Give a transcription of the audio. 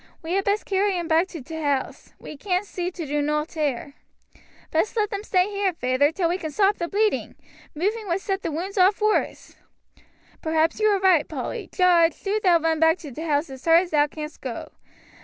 We had best carry 'em back to t' house; we can't see to do nowt here." "Best let them stay here, feyther, till we can stop the bleeding. Moving would set the wounds off worse." "Perhaps you are right, Polly. Jarge, do thou run back to t' house as hard as thou canst go.